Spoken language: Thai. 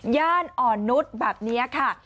ย่านอ่อนนุษย์แบบนี้ค่ะ